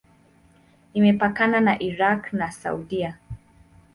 Imepakana na Irak na Saudia.